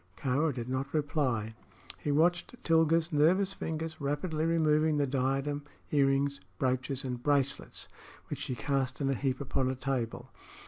Kāra did not reply. He watched Tilga's nervous fingers rapidly removing the diadem, earrings, brooches and bracelets, which she cast in a heap upon a table.